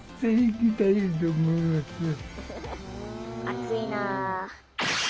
熱いな。